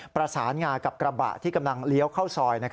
ประสานงากับกระบะที่กำลังเลี้ยวเข้าซอย